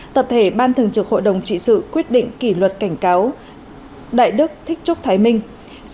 tập thể ban thường trực hội đồng trị sự quyết định kỷ luật cảnh cáo đại đức thích trúc thái minh